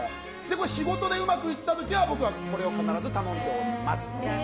仕事でうまくいった時は僕はこれを必ず頼んでおります。